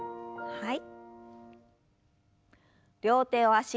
はい。